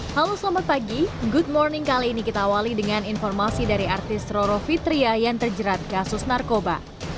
halo selamat pagi good morning kali ini kita awali dengan informasi dari artis roro fitria yang terjerat kasus narkoba